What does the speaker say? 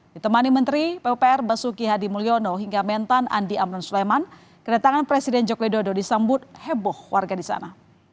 ditemani menteri pupr basuki hadi mulyono hingga mentan andi amrun sulaiman kedatangan presiden joko widodo disambut heboh warga di sana